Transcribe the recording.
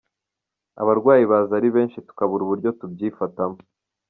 Abarwayi baza ari benshi tukabura uburyo tubyifatamo.